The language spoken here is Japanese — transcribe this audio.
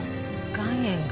岩塩が？